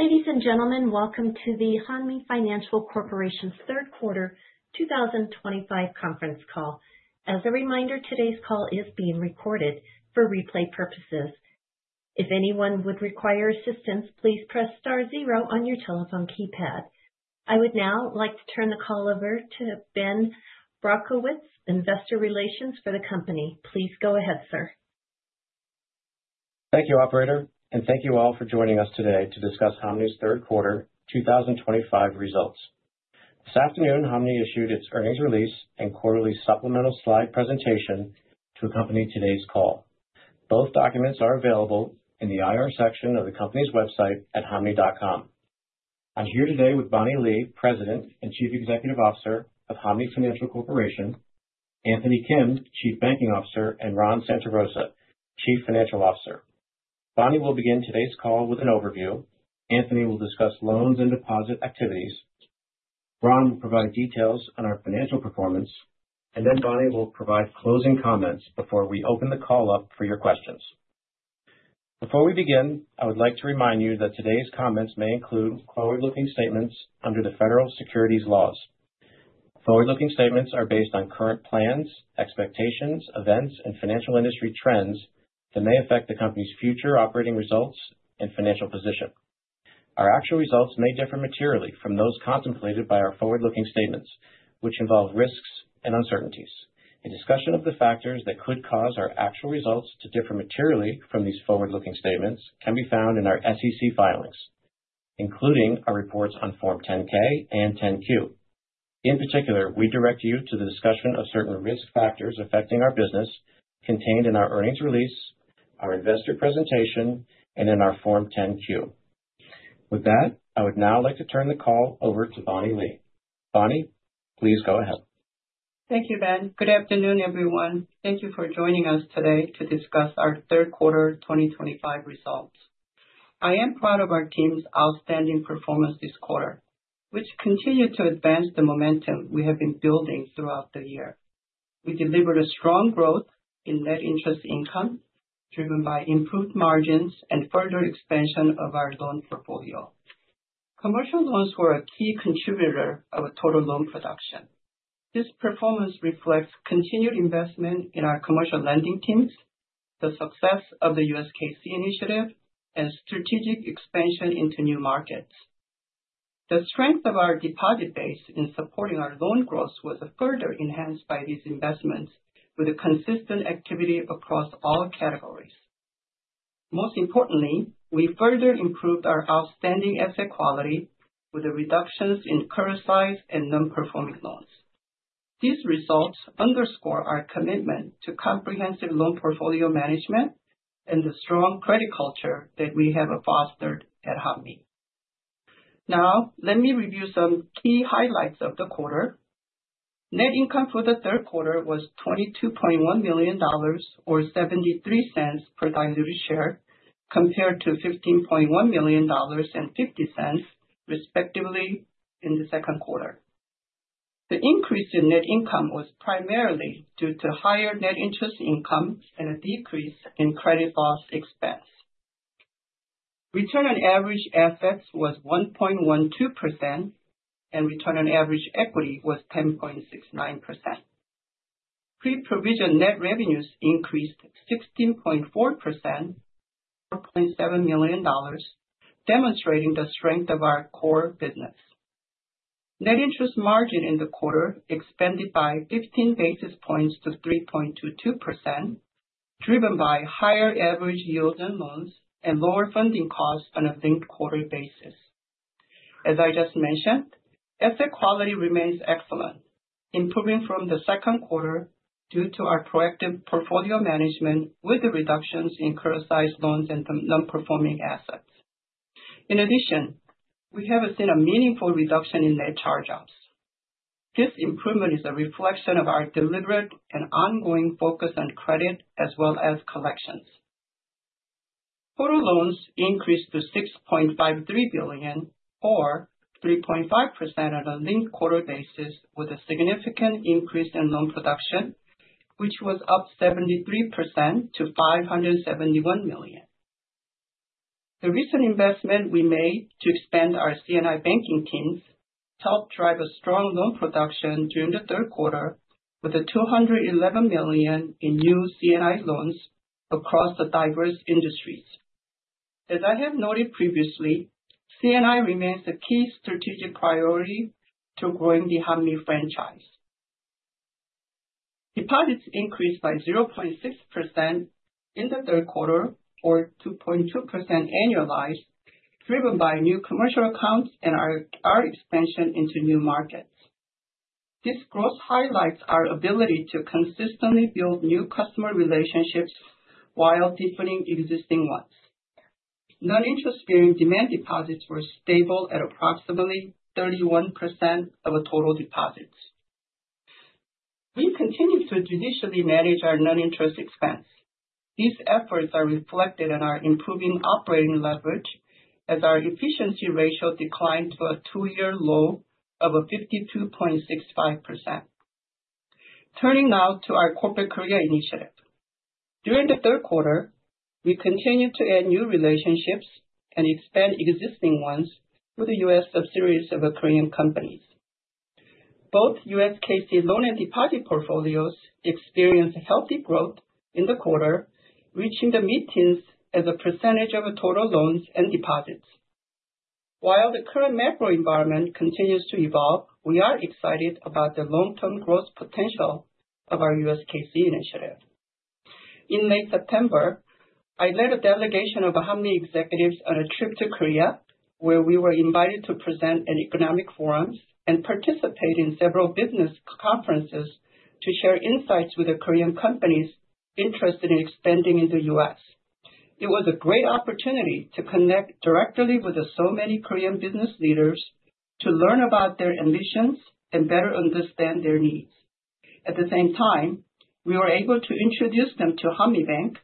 Ladies and gentlemen, welcome to the Hanmi Financial Corporation's Third Quarter 2025 Conference Call. As a reminder, today's call is being recorded for replay purposes. If anyone would require assistance, please press star zero on your telephone keypad. I would now like to turn the call over to Ben Brodkowitz, Investor Relations for the company. Please go ahead, sir. Thank you, Operator, and thank you all for joining us today to discuss Hanmi's Third Quarter 2025 results. This afternoon, Hanmi issued its earnings release and quarterly supplemental slide presentation to accompany today's call. Both documents are available in the IR section of the company's website at hanmi.com. I'm here today with Bonnie Lee, President and Chief Executive Officer of Hanmi Financial Corporation, Anthony Kim, Chief Banking Officer, and Ron Santarosa, Chief Financial Officer. Bonnie will begin today's call with an overview. Anthony will discuss loans and deposit activities. Ron will provide details on our financial performance, and then Bonnie will provide closing comments before we open the call up for your questions. Before we begin, I would like to remind you that today's comments may include forward-looking statements under the federal securities laws. Forward-looking statements are based on current plans, expectations, events, and financial industry trends that may affect the company's future operating results and financial position. Our actual results may differ materially from those contemplated by our forward-looking statements, which involve risks and uncertainties. A discussion of the factors that could cause our actual results to differ materially from these forward-looking statements can be found in our SEC filings, including our reports on Form 10-K and 10-Q. In particular, we direct you to the discussion of certain risk factors affecting our business contained in our earnings release, our investor presentation, and in our Form 10-Q. With that, I would now like to turn the call over to Bonnie Lee. Bonnie, please go ahead. Thank you, Ben. Good afternoon, everyone. Thank you for joining us today to discuss our Third Quarter 2025 results. I am proud of our team's outstanding performance this quarter, which continued to advance the momentum we have been building throughout the year. We delivered a strong growth in net interest income driven by improved margins and further expansion of our loan portfolio. Commercial loans were a key contributor of our total loan production. This performance reflects continued investment in our commercial lending teams, the success of the USKC initiative, and strategic expansion into new markets. The strength of our deposit base in supporting our loan growth was further enhanced by these investments with consistent activity across all categories. Most importantly, we further improved our outstanding asset quality with reductions in criticized and non-performing loans. These results underscore our commitment to comprehensive loan portfolio management and the strong credit culture that we have fostered at Hanmi. Now, let me review some key highlights of the quarter. Net income for the third quarter was $22.1 million or $0.73 per diluted share, compared to $15.1 million and $0.50, respectively, in the second quarter. The increase in net income was primarily due to higher net interest income and a decrease in credit loss expense. Return on average assets was 1.12%, and return on average equity was 10.69%. Pre-provision net revenues increased 16.4% of $4.7 million, demonstrating the strength of our core business. Net interest margin in the quarter expanded by 15 basis points to 3.22%, driven by higher average yields on loans and lower funding costs on a linked quarter basis. As I just mentioned, asset quality remains excellent, improving from the second quarter due to our proactive portfolio management with reductions in criticized loans and non-performing assets. In addition, we have seen a meaningful reduction in net charge-offs. This improvement is a reflection of our deliberate and ongoing focus on credit as well as collections. Total loans increased to $6.53 billion, or 3.5% on a linked quarter basis, with a significant increase in loan production, which was up 73% to $571 million. The recent investment we made to expand our C&I banking teams helped drive a strong loan production during the third quarter, with $211 million in new C&I loans across the diverse industries. As I have noted previously, C&I remains a key strategic priority to growing the Hanmi franchise. Deposits increased by 0.6% in the third quarter, or 2.2% annualized, driven by new commercial accounts and our expansion into new markets. This growth highlights our ability to consistently build new customer relationships while deepening existing ones. Non-interest-bearing demand deposits were stable at approximately 31% of total deposits. We continue to judiciously manage our non-interest expense. These efforts are reflected in our improving operating leverage as our efficiency ratio declined to a two-year low of 52.65%. Turning now to our Corporate Korea initiative. During the third quarter, we continued to add new relationships and expand existing ones with the U.S. subsidiaries of Korean companies. Both USKC loan and deposit portfolios experienced healthy growth in the quarter, reaching the mid-tens as a percentage of total loans and deposits. While the current macro environment continues to evolve, we are excited about the long-term growth potential of our USKC initiative. In late September, I led a delegation of Hanmi executives on a trip to Korea, where we were invited to present at economic forums and participate in several business conferences to share insights with Korean companies interested in expanding into the U.S. It was a great opportunity to connect directly with so many Korean business leaders to learn about their ambitions and better understand their needs. At the same time, we were able to introduce them to Hanmi Bank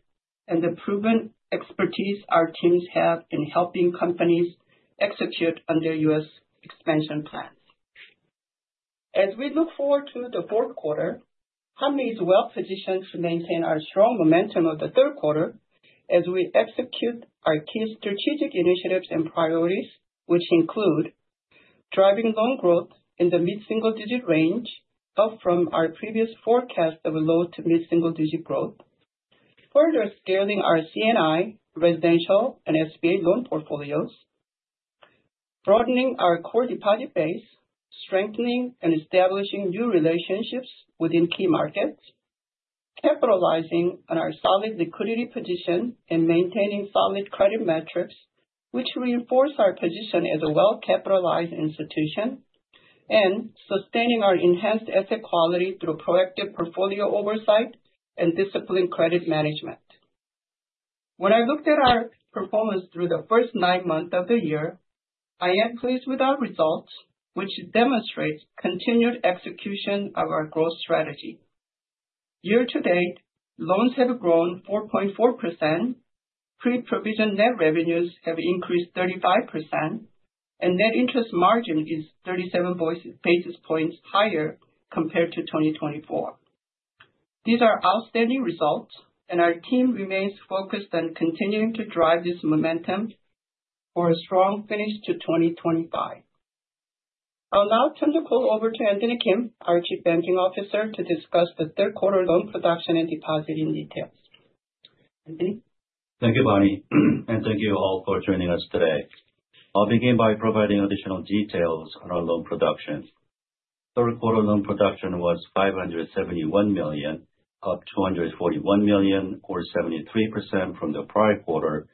and the proven expertise our teams have in helping companies execute on their U.S. expansion plans. As we look forward to the fourth quarter, Hanmi is well positioned to maintain our strong momentum of the third quarter as we execute our key strategic initiatives and priorities, which include driving loan growth in the mid-single digit range, up from our previous forecast of low to mid-single digit growth, further scaling our C&I, residential, and SBA loan portfolios, broadening our core deposit base, strengthening and establishing new relationships within key markets, capitalizing on our solid liquidity position and maintaining solid credit metrics, which reinforce our position as a well-capitalized institution, and sustaining our enhanced asset quality through proactive portfolio oversight and disciplined credit management. When I looked at our performance through the first nine months of the year, I am pleased with our results, which demonstrate continued execution of our growth strategy. Year to date, loans have grown 4.4%, pre-provision net revenues have increased 35%, and net interest margin is 37 basis points higher compared to 2024. These are outstanding results, and our team remains focused on continuing to drive this momentum for a strong finish to 2025. I'll now turn the call over to Anthony Kim, our Chief Banking Officer, to discuss the third quarter loan production and depositing details. Anthony. Thank you, Bonnie, and thank you all for joining us today. I'll begin by providing additional details on our loan production. Third quarter loan production was $571 million, up $241 million, or 73% from the prior quarter,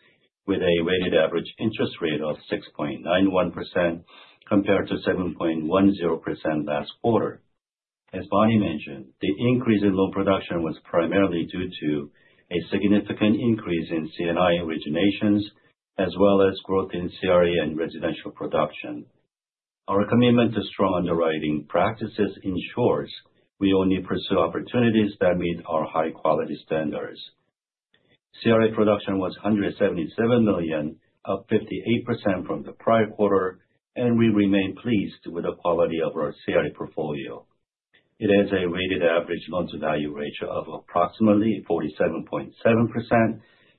with a weighted average interest rate of 6.91% compared to 7.10% last quarter. As Bonnie mentioned, the increase in loan production was primarily due to a significant increase in C&I originations, as well as growth in CRA and residential production. Our commitment to strong underwriting practices ensures we only pursue opportunities that meet our high-quality standards. CRA production was $177 million, up 58% from the prior quarter, and we remain pleased with the quality of our CRA portfolio. It has a weighted average loan-to-value ratio of approximately 47.7%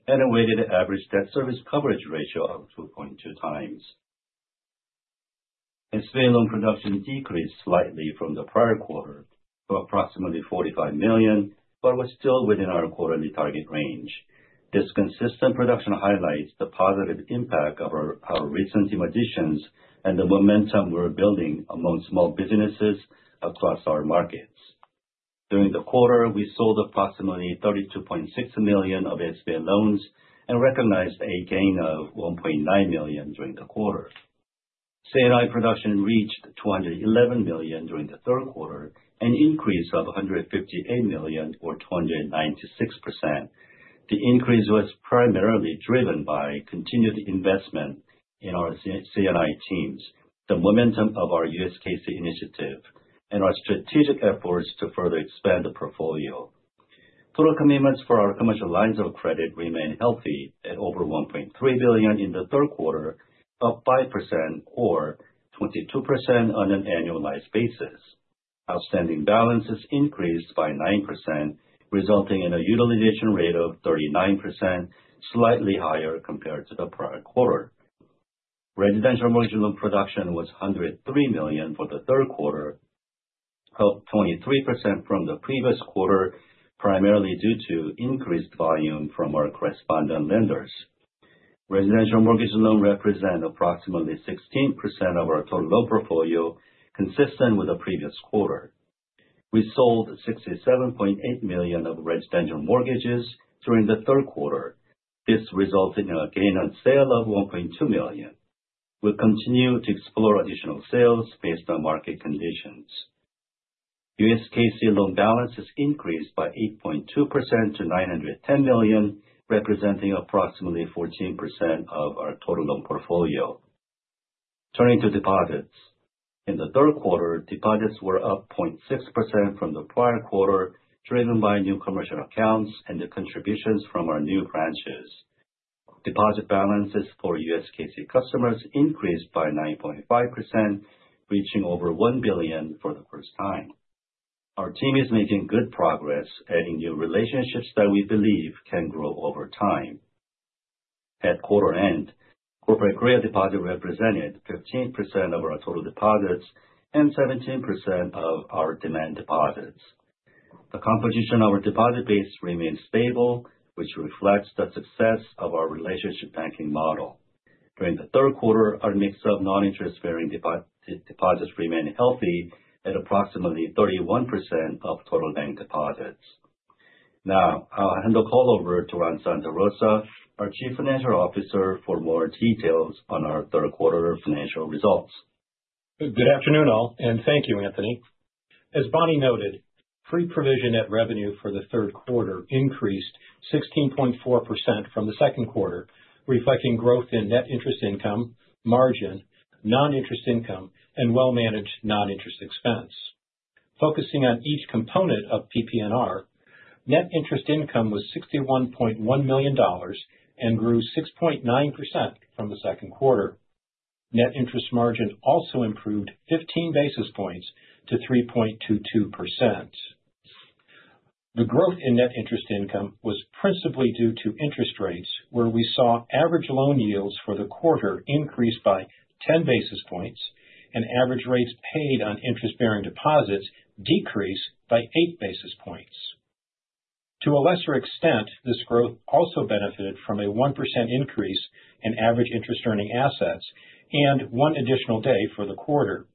and a weighted average debt service coverage ratio of 2.2 times. SBA loan production decreased slightly from the prior quarter to approximately $45 million, but was still within our quarterly target range. This consistent production highlights the positive impact of our recent additions and the momentum we're building among small businesses across our markets. During the quarter, we sold approximately $32.6 million of SBA loans and recognized a gain of $1.9 million during the quarter. C&I production reached $211 million during the third quarter, an increase of $158 million, or 296%. The increase was primarily driven by continued investment in our C&I teams, the momentum of our USKC initiative, and our strategic efforts to further expand the portfolio. Total commitments for our commercial lines of credit remain healthy at over $1.3 billion in the third quarter, up 5%, or 22% on an annualized basis. Outstanding balance is increased by 9%, resulting in a utilization rate of 39%, slightly higher compared to the prior quarter. Residential mortgage loan production was $103 million for the third quarter, up 23% from the previous quarter, primarily due to increased volume from our correspondent lenders. Residential mortgage loan represents approximately 16% of our total loan portfolio, consistent with the previous quarter. We sold $67.8 million of residential mortgages during the third quarter. This resulted in a gain on sale of $1.2 million. We'll continue to explore additional sales based on market conditions. USKC loan balance is increased by 8.2% to $910 million, representing approximately 14% of our total loan portfolio. Turning to deposits. In the third quarter, deposits were up 0.6% from the prior quarter, driven by new commercial accounts and the contributions from our new branches. Deposit balances for USKC customers increased by 9.5%, reaching over $1 billion for the first time. Our team is making good progress, adding new relationships that we believe can grow over time. At quarter end, Corporate Korea deposit represented 15% of our total deposits and 17% of our demand deposits. The composition of our deposit base remains stable, which reflects the success of our relationship banking model. During the third quarter, our mix of non-interest-bearing deposits remained healthy at approximately 31% of total bank deposits. Now, I'll hand the call over to Ron Santarosa, our Chief Financial Officer, for more details on our third quarter financial results. Good afternoon, all, and thank you, Anthony. As Bonnie noted, pre-provision net revenue for the third quarter increased 16.4% from the second quarter, reflecting growth in net interest income, margin, non-interest income, and well-managed non-interest expense. Focusing on each component of PPNR, net interest income was $61.1 million and grew 6.9% from the second quarter. Net interest margin also improved 15 basis points to 3.22%. The growth in net interest income was principally due to interest rates, where we saw average loan yields for the quarter increase by 10 basis points, and average rates paid on interest-bearing deposits decrease by 8 basis points. To a lesser extent, this growth also benefited from a 1% increase in average interest-earning assets and one additional day for the quarter.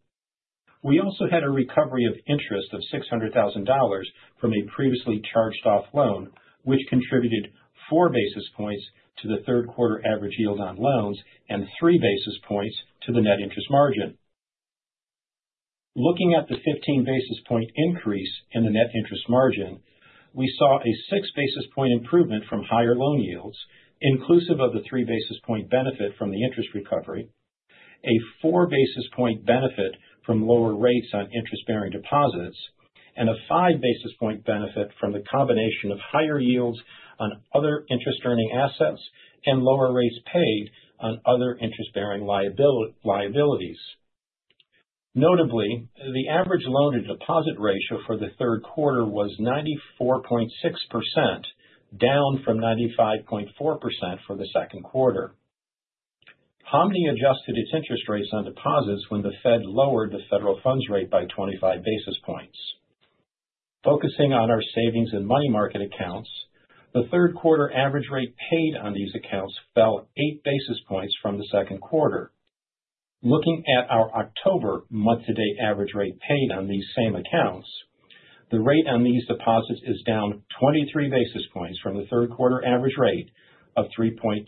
We also had a recovery of interest of $600,000 from a previously charged-off loan, which contributed 4 basis points to the third quarter average yield on loans and 3 basis points to the net interest margin. Looking at the 15 basis point increase in the net interest margin, we saw a 6 basis point improvement from higher loan yields, inclusive of the 3 basis point benefit from the interest recovery, a 4 basis point benefit from lower rates on interest-bearing deposits, and a 5 basis point benefit from the combination of higher yields on other interest-earning assets and lower rates paid on other interest-bearing liabilities. Notably, the average loan-to-deposit ratio for the third quarter was 94.6%, down from 95.4% for the second quarter. Hanmi adjusted its interest rates on deposits when the Fed lowered the federal funds rate by 25 basis points. Focusing on our savings and money market accounts, the third quarter average rate paid on these accounts fell eight basis points from the second quarter. Looking at our October month-to-date average rate paid on these same accounts, the rate on these deposits is down 23 basis points from the third quarter average rate of 3.22%,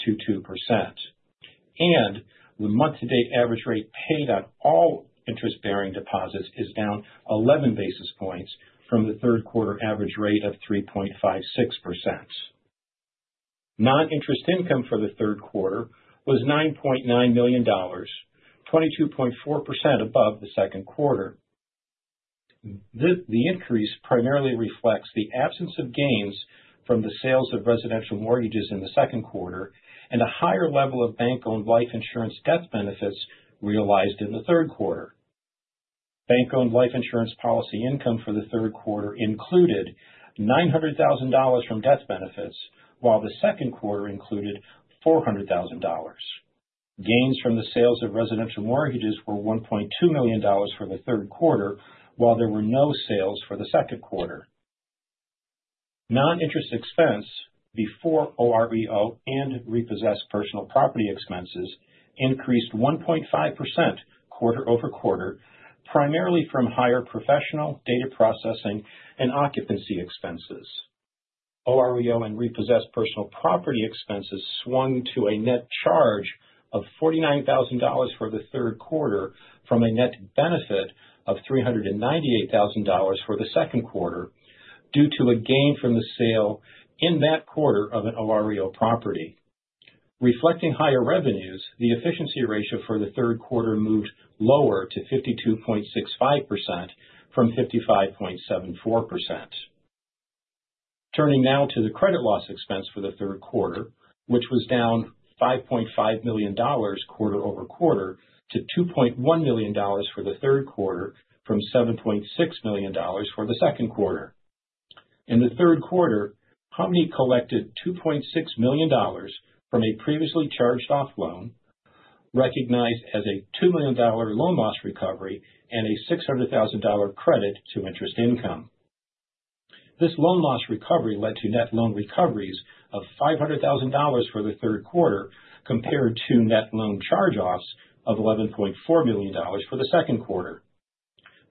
and the month-to-date average rate paid on all interest-bearing deposits is down 11 basis points from the third quarter average rate of 3.56%. Non-interest income for the third quarter was $9.9 million, 22.4% above the second quarter. The increase primarily reflects the absence of gains from the sales of residential mortgages in the second quarter and a higher level of bank-owned life insurance death benefits realized in the third quarter. Bank-owned life insurance policy income for the third quarter included $900,000 from death benefits, while the second quarter included $400,000. Gains from the sales of residential mortgages were $1.2 million for the third quarter, while there were no sales for the second quarter. Non-interest expense before OREO and repossessed personal property expenses increased 1.5% quarter over quarter, primarily from higher professional data processing and occupancy expenses. OREO and repossessed personal property expenses swung to a net charge of $49,000 for the third quarter from a net benefit of $398,000 for the second quarter due to a gain from the sale in that quarter of an OREO property. Reflecting higher revenues, the efficiency ratio for the third quarter moved lower to 52.65% from 55.74%. Turning now to the credit loss expense for the third quarter, which was down $5.5 million quarter over quarter to $2.1 million for the third quarter from $7.6 million for the second quarter. In the third quarter, Hanmi collected $2.6 million from a previously charged-off loan, recognized as a $2 million loan loss recovery and a $600,000 credit to interest income. This loan loss recovery led to net loan recoveries of $500,000 for the third quarter compared to net loan charge-offs of $11.4 million for the second quarter.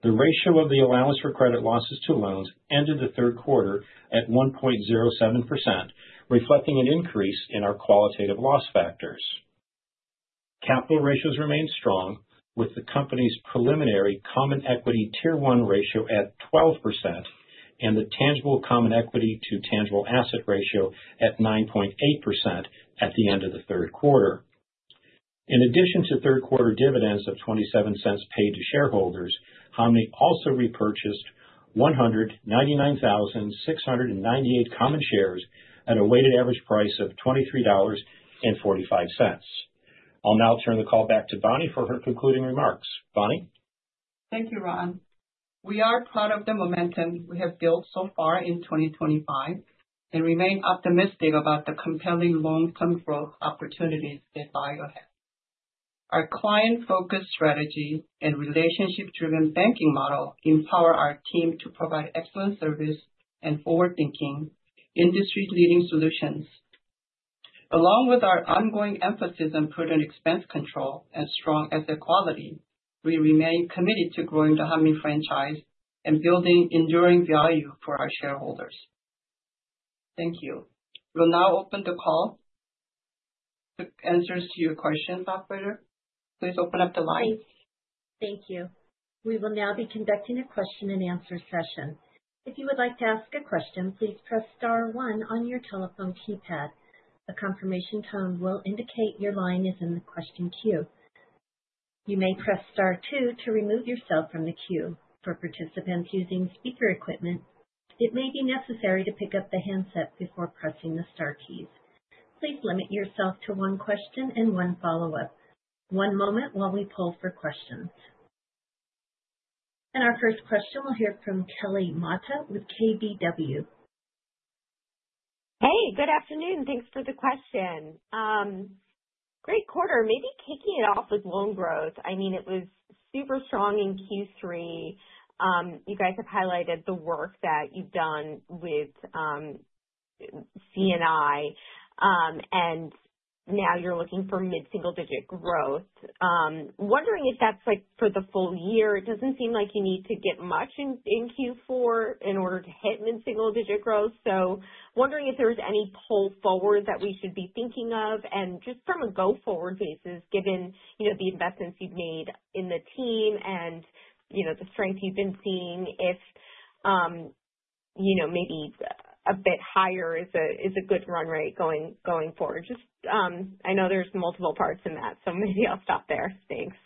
The ratio of the allowance for credit losses to loans ended the third quarter at 1.07%, reflecting an increase in our qualitative loss factors. Capital ratios remained strong, with the company's preliminary common equity tier one ratio at 12% and the tangible common equity to tangible asset ratio at 9.8% at the end of the third quarter. In addition to third quarter dividends of $0.27 paid to shareholders, Hanmi also repurchased 199,698 common shares at a weighted average price of $23.45. I'll now turn the call back to Bonnie for her concluding remarks. Bonnie. Thank you, Ron. We are proud of the momentum we have built so far in 2025 and remain optimistic about the compelling long-term growth opportunities that lie ahead has. Our client-focused strategy and relationship-driven banking model empower our team to provide excellent service and forward-thinking industry-leading solutions. Along with our ongoing emphasis on prudent expense control and strong asset quality, we remain committed to growing the Hanmi franchise and building enduring value for our shareholders. Thank you. We'll now open the call to answers to your questions, operator. Please open up the line. Thank you. We will now be conducting a question-and-answer session. If you would like to ask a question, please press star one on your telephone keypad. A confirmation tone will indicate your line is in the question queue. You may press star two to remove yourself from the queue. For participants using speaker equipment, it may be necessary to pick up the handset before pressing the star keys. Please limit yourself to one question and one follow-up. One moment while we pull for questions, and our first question, we'll hear from Kelly Motta with KBW. Hey, good afternoon. Thanks for the question. Great quarter. Maybe kicking it off with loan growth. I mean, it was super strong in Q3. You guys have highlighted the work that you've done with C&I, and now you're looking for mid-single-digit growth. Wondering if that's for the full year. It doesn't seem like you need to get much in Q4 in order to hit mid-single-digit growth. So wondering if there's any pull forward that we should be thinking of, and just from a go-forward basis, given the investments you've made in the team and the strength you've been seeing, if maybe a bit higher is a good run rate going forward. Just, I know there's multiple parts in that, so maybe I'll stop there. Thanks.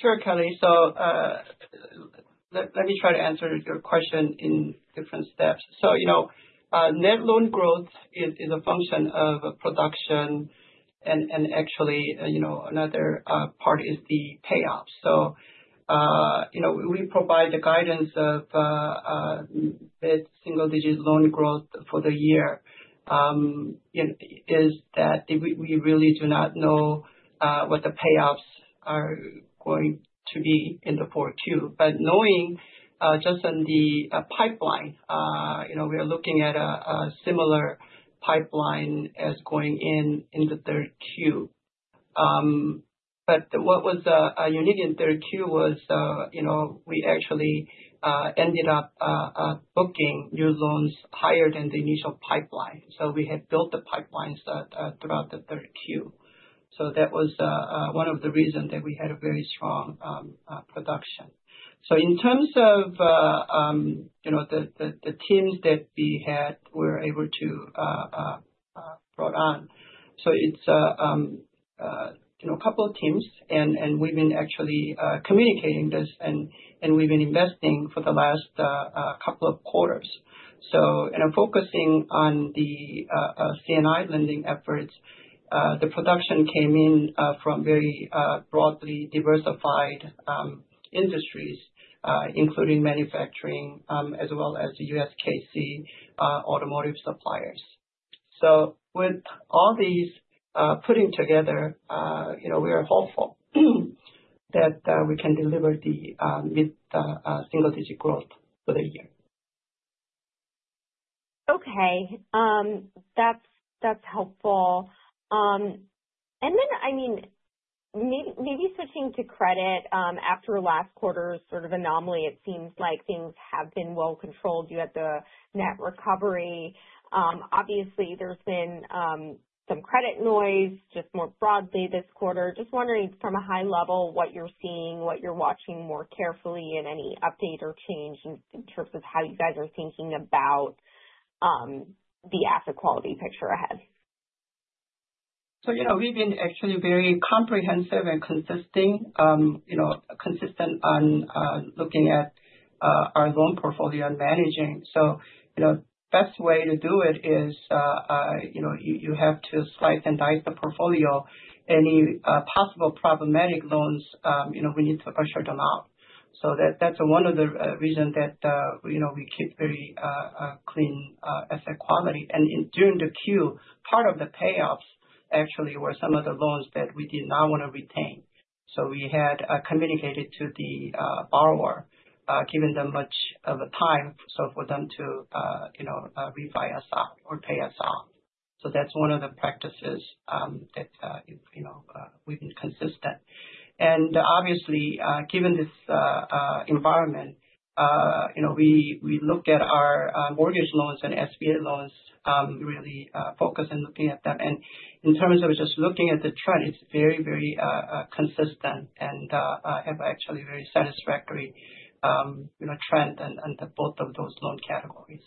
Sure, Kelly, so let me try to answer your question in different steps, so net loan growth is a function of production, and actually, another part is the payoff. So we provide the guidance of mid-single-digit loan growth for the year. Is that we really do not know what the payoffs are going to be in the fourth year, but knowing just on the pipeline, we are looking at a similar pipeline as going in the third year, but what was unique in third year was we actually ended up booking new loans higher than the initial pipeline, so we had built the pipelines throughout the third year, so that was one of the reasons that we had a very strong production, so in terms of the teams that we had, we were able to brought on. So it's a couple of teams, and we've been actually communicating this, and we've been investing for the last couple of quarters. So focusing on the C&I lending efforts, the production came in from very broadly diversified industries, including manufacturing, as well as the USKC automotive suppliers. So with all these putting together, we are hopeful that we can deliver the mid-single-digit growth for the year. Okay. That's helpful. And then, I mean, maybe switching to credit after last quarter's sort of anomaly, it seems like things have been well controlled. You had the net recovery. Obviously, there's been some credit noise just more broadly this quarter. Just wondering from a high level what you're seeing, what you're watching more carefully, and any update or change in terms of how you guys are thinking about the asset quality picture ahead? So we've been actually very comprehensive and consistent on looking at our loan portfolio and managing. So the best way to do it is you have to slice and dice the portfolio. Any possible problematic loans, we need to shut them out. So that's one of the reasons that we keep very clean asset quality. And during the Q, part of the payoffs actually were some of the loans that we did not want to retain. So we had communicated to the borrower, given them much of a time for them to refinance or pay us off. So that's one of the practices that we've been consistent. And obviously, given this environment, we look at our mortgage loans and SBA loans, really focus and looking at them. And in terms of just looking at the trend, it's very, very consistent and have actually very satisfactory trend on both of those loan categories.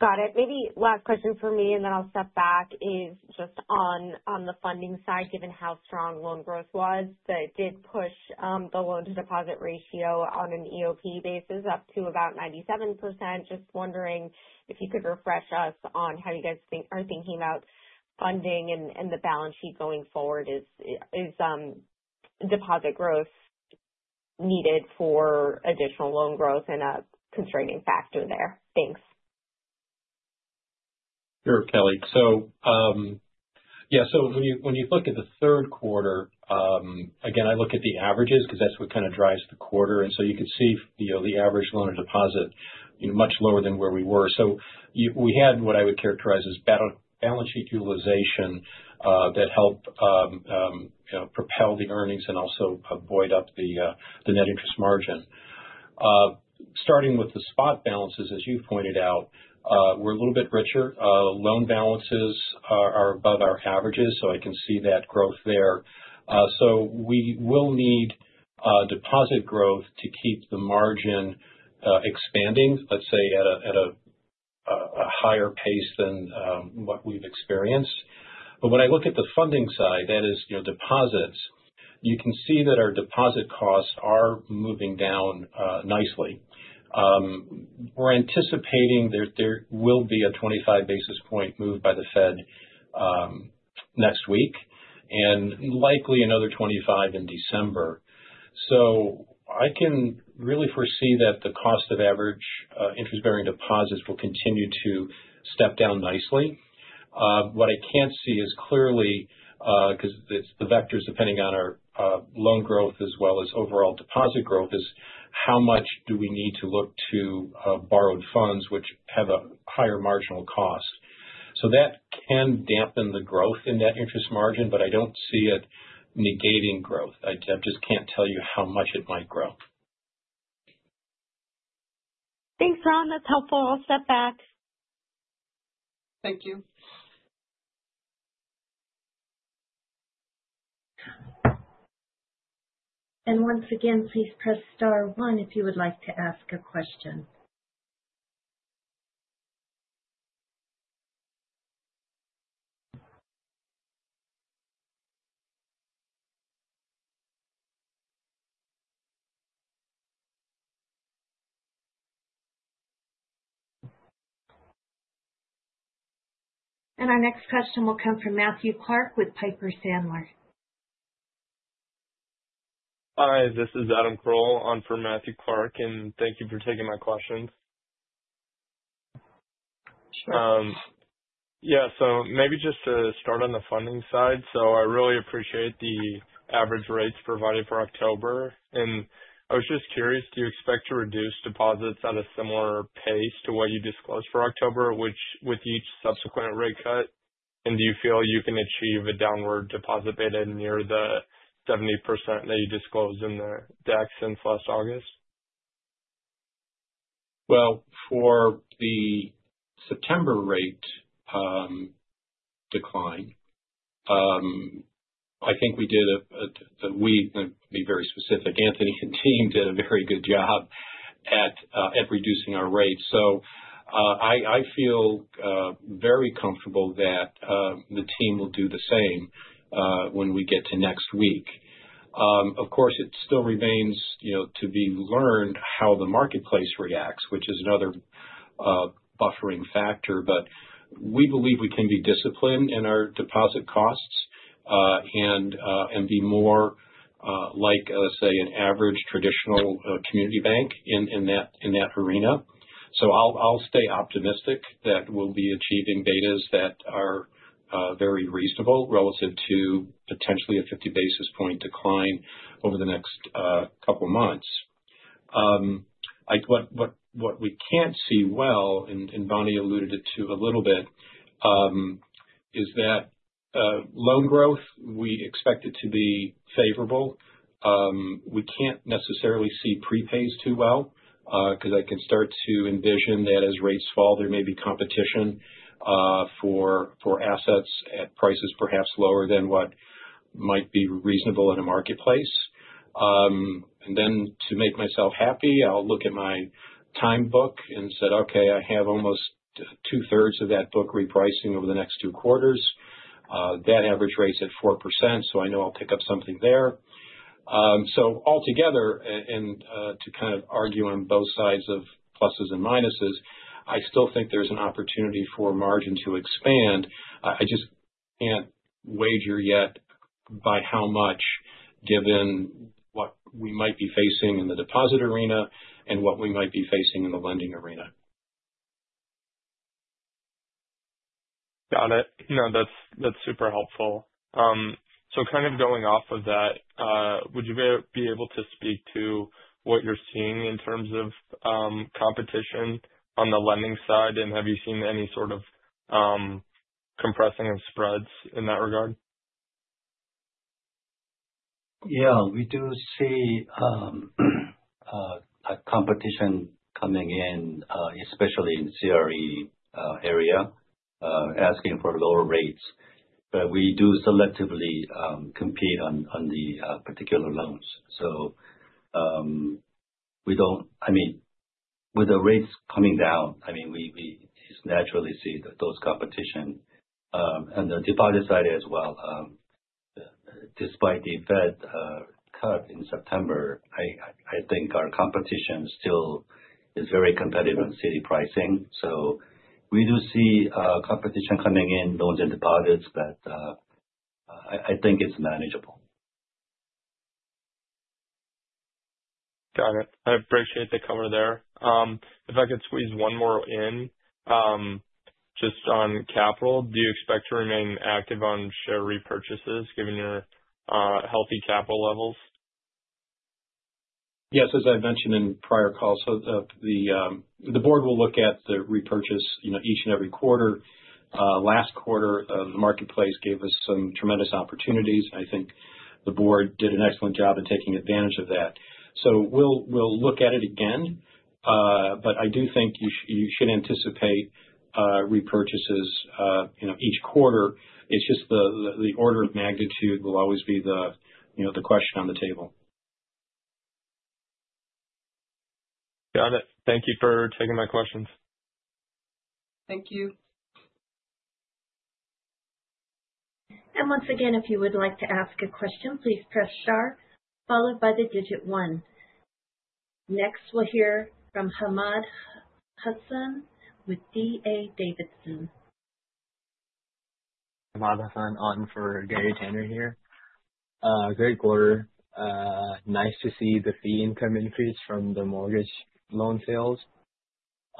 Got it. Maybe last question for me, and then I'll step back, is just on the funding side, given how strong loan growth was that did push the loan-to-deposit ratio on an EOP basis up to about 97%. Just wondering if you could refresh us on how you guys are thinking about funding and the balance sheet going forward. Is deposit growth needed for additional loan growth and a constraining factor there? Thanks. Sure, Kelly. So yeah, so when you look at the third quarter, again, I look at the averages because that's what kind of drives the quarter. And so you can see the average loan or deposit much lower than where we were. So we had what I would characterize as balance sheet utilization that helped propel the earnings and also buoyed up the net interest margin. Starting with the spot balances, as you pointed out, we're a little bit richer. Loan balances are above our averages, so I can see that growth there. So we will need deposit growth to keep the margin expanding, let's say, at a higher pace than what we've experienced. But when I look at the funding side, that is deposits, you can see that our deposit costs are moving down nicely. We're anticipating there will be a 25 basis point move by the Fed next week and likely another 25 in December. So I can really foresee that the cost of average interest-bearing deposits will continue to step down nicely. What I can't see is clearly, because the vectors depending on our loan growth as well as overall deposit growth, is how much do we need to look to borrowed funds which have a higher marginal cost. So that can dampen the growth in that interest margin, but I don't see it negating growth. I just can't tell you how much it might grow. Thanks, Ron. That's helpful. I'll step back. Thank you. And once again, please press star one if you would like to ask a question. And our next question will come from Matthew Clark with Piper Sandler. Hi, this is Adam Kroll on for Matthew Clark, and thank you for taking my questions. Yeah, so maybe just to start on the funding side, so I really appreciate the average rates provided for October, and I was just curious. Do you expect to reduce deposits at a similar pace to what you disclosed for October with each subsequent rate cut, and do you feel you can achieve a downward deposit rate near the 70% that you disclosed in the deck since last August? For the September rate decline, I think we'll be very specific. Anthony and team did a very good job at reducing our rate. I feel very comfortable that the team will do the same when we get to next week. Of course, it still remains to be learned how the marketplace reacts, which is another buffering factor. We believe we can be disciplined in our deposit costs and be more like, say, an average traditional community bank in that arena. I'll stay optimistic that we'll be achieving betas that are very reasonable relative to potentially a 50 basis point decline over the next couple of months. What we can't see well, and Bonnie alluded to a little bit, is that loan growth. We expect it to be favorable. We can't necessarily see prepays too well because I can start to envision that as rates fall, there may be competition for assets at prices perhaps lower than what might be reasonable in a marketplace, and then to make myself happy, I'll look at my timebook and said, "Okay, I have almost two-thirds of that book repricing over the next two quarters." That average rate's at 4%, so I know I'll pick up something there, so altogether, and to kind of argue on both sides of pluses and minuses, I still think there's an opportunity for margin to expand. I just can't wager yet by how much given what we might be facing in the deposit arena and what we might be facing in the lending arena. Got it. No, that's super helpful. So kind of going off of that, would you be able to speak to what you're seeing in terms of competition on the lending side, and have you seen any sort of compressing of spreads in that regard? Yeah, we do see competition coming in, especially in the CRE area asking for lower rates. But we do selectively compete on the particular loans. So I mean, with the rates coming down, I mean, we naturally see those competition. And the deposit side as well. Despite the Fed cut in September, I think our competition still is very competitive on CD pricing. So we do see competition coming in, loans and deposits, but I think it's manageable. Got it. I appreciate the cover there. If I could squeeze one more in, just on capital, do you expect to remain active on share repurchases given your healthy capital levels? Yes, as I mentioned in prior calls, the board will look at the repurchase each and every quarter. Last quarter, the marketplace gave us some tremendous opportunities. I think the board did an excellent job in taking advantage of that. So we'll look at it again, but I do think you should anticipate repurchases each quarter. It's just the order of magnitude will always be the question on the table. Got it. Thank you for taking my questions. Thank you. And once again, if you would like to ask a question, please press star followed by the digit one. Next, we'll hear from Ahmad Hassan with D.A. Davidson. Ahmad Hassan, on for Gary Tenner here. Great quarter. Nice to see the fee increase from the mortgage loan sales.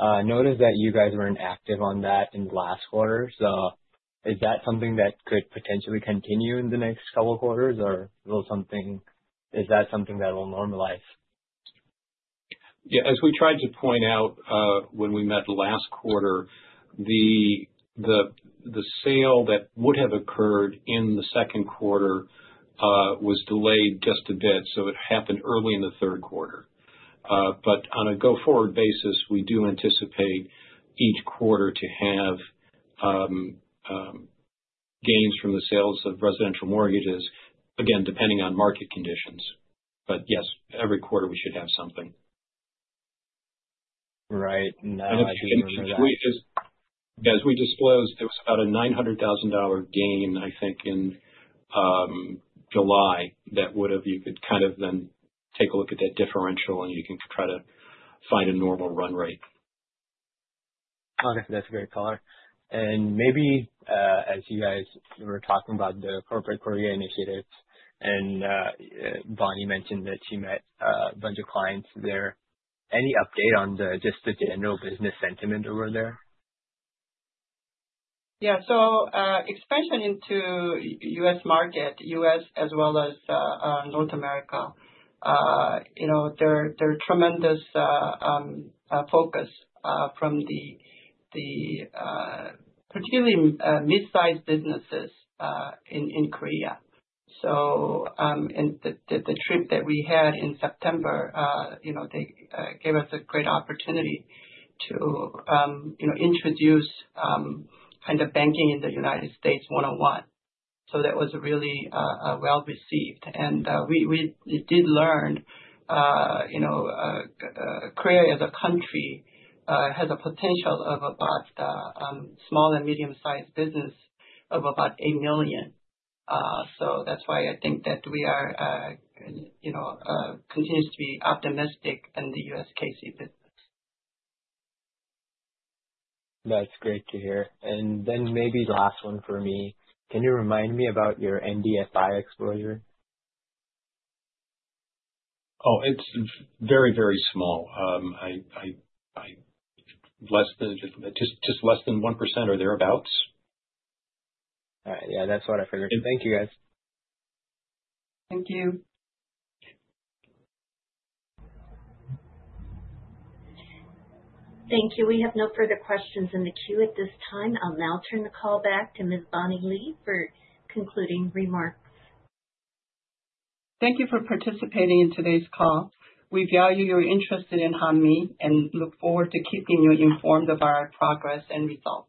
Noticed that you guys weren't active on that in the last quarter. So is that something that could potentially continue in the next couple of quarters, or is that something that will normalize? Yeah, as we tried to point out when we met last quarter, the sale that would have occurred in the second quarter was delayed just a bit, so it happened early in the third quarter, but on a go-forward basis, we do anticipate each quarter to have gains from the sales of residential mortgages, again, depending on market conditions, but yes, every quarter we should have something. Right. And as we disclosed, there was about a $900,000 gain, I think, in July that would have, you could kind of then take a look at that differential, and you can try to find a normal run rate. Okay. That's a great caller. And maybe as you guys were talking about the Corporate Korea initiative, and Bonnie mentioned that she met a bunch of clients there. Any update on just the general business sentiment over there? Yeah. So expansion into the U.S. market, U.S. as well as North America, there are tremendous focus from the, particularly, mid-sized businesses in Korea. So the trip that we had in September, they gave us a great opportunity to introduce kind of banking in the United States one-on-one. So that was really well received. And we did learn Korea as a country has a potential of about small and medium-sized business of about eight million. So that's why I think that we are continuing to be optimistic in the USKC business. That's great to hear. And then maybe last one for me. Can you remind me about your NBFI exposure? Oh, it's very, very small. Just less than 1% or thereabouts. All right. Yeah, that's what I figured. Thank you, guys. Thank you. Thank you. We have no further questions in the queue at this time. I'll now turn the call back to Ms. Bonnie Lee for concluding remarks. Thank you for participating in today's call. We value your interest in Hanmi and look forward to keeping you informed of our progress and results.